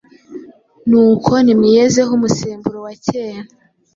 Nuko nimwiyezeho umusemburo wa kera,